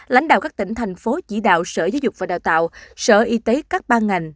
lãnh đạo các tỉnh thành phố chỉ đạo sở giáo dục và đào tạo sở y tế các ban ngành